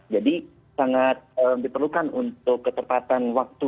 jadi sangat diperlukan untuk ketepatan waktu